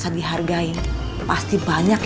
padahal ya kalo setiap tko yang dihargai